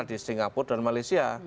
di singapura dan malaysia